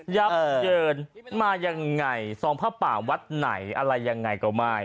ับเยินมายังไงซองผ้าป่าวัดไหนอะไรยังไงก็ไม่